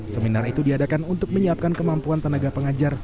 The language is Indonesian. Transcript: seminar itu diadakan untuk menyiapkan kemampuan tenaga pengajar